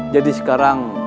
jadi sekarang maunya bagaimana